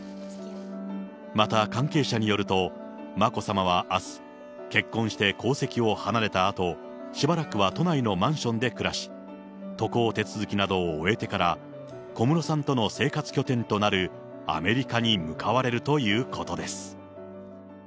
また、関係者によると、眞子さまはあす、結婚して皇籍を離れたあと、しばらくは都内のマンションで暮らし、渡航手続きなどを終えてから、小室さんとの生活拠点となるアメリカに向かわれるということです。